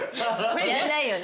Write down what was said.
やんないよね。